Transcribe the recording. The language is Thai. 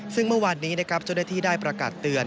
ซึ่งเมื่อวานนี้นะครับเจ้าหน้าที่ได้ประกาศเตือน